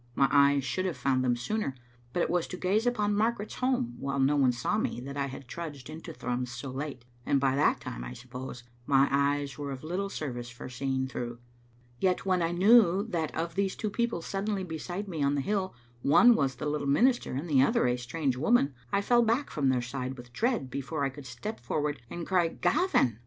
My eyes should have found them sooner, but it was to gaze upon Margaret's home, while no one saw me, that I had trudged into Thrums so late, and by that time, I suppose, my eyes were of little service for seeing through. Yet, when I knew that of these two people suddenly beside me on the hill one was the little minister and the other a strange woman, I fell back from their side with dread before I could step forward and cry " Gavin !"